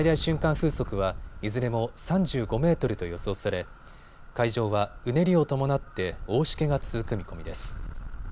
風速はいずれも３５メートルと予想され海上はうねりを伴って大しけが続く見込みです。